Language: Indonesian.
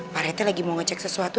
pak reti lagi mau ngecek sesuatu